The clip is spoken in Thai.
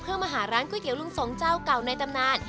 เพื่อมาหาร้านก๋วยเตี๋ลุงสงเจ้าเก่าในตำนาน